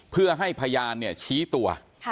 เพื่อให้พยานชี้ตัว